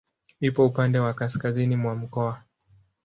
Ipo upande wa kaskazini mwa mkoa.